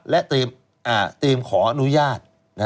และเตรียมขออนุญาต